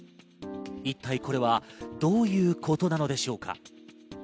一体、これはどういうことなのでしょうか。